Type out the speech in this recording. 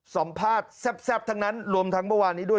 สัมภาษณ์แซ่บทั้งนั้นรวมทั้งเมื่อวานนี้ด้วย